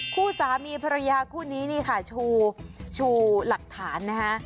คู่สามีภรรยาคู่นี้นี่ค่ะชูหลักฐานนะคะ